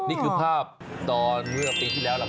นี่คือภาพตอนเมื่อปีที่แล้วล่ะครับ